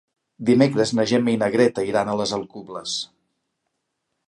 Dimecres na Gemma i na Greta iran a les Alcubles.